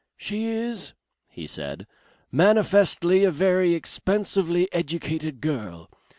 "She is," he said, "manifestly a very expensively educated girl.